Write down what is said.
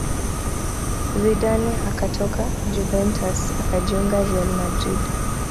Zidane akatoka Juventus akajiunga real madrid